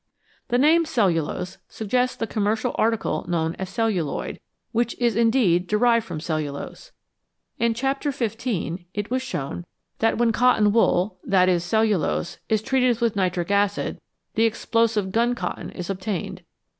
The name " cellulose " suggests the commercial article known as "celluloid," which is indeed derived from cellulose. In chapter xv. it was shown that when cotton 235 SUGAR AND STARCH wool that is, cellulose is treated with nitric acid, the explosive gun cotton is obtained.